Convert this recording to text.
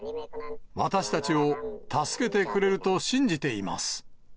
私たちを助けてくれると信じています。